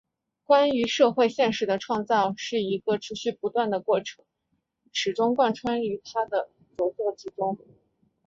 关于社会现实的创造是一个持续不断的过程始终贯穿于他的着作之中。